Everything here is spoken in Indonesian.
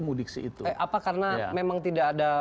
mudiksi itu apa karena memang tidak ada